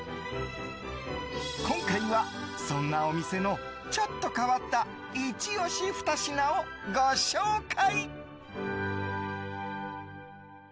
今回は、そんなお店のちょっと変わったイチ押しふた品をご紹介。